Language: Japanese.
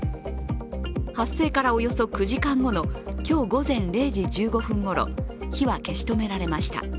発生からおよそ９時間後の今日午前０時１５分ごろ火は消し止められました。